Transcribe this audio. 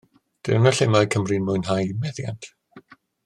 Dyna lle mae Cymru'n mwynhau'r meddiant.